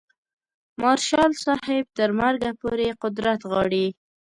مارشال صاحب تر مرګه پورې قدرت غواړي.